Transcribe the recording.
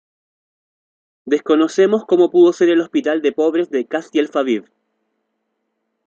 Desconocemos como pudo ser el hospital de pobres de Castielfabib.